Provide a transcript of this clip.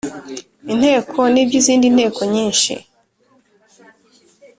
Inteko n iby izindi nzego nyinshi